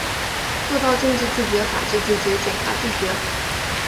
做到政治自觉、法治自觉和检察自觉